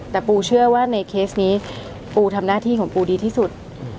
แต่ปูเชื่อว่าในเคสนี้ปูทำหน้าที่ของปูดีที่สุด